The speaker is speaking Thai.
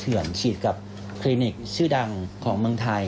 หรือนี้เป็นสิ่งที่หลังตาย